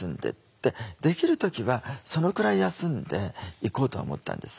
できる時はそのくらい休んでいこうとは思ったんです。